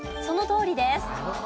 そのとおりです。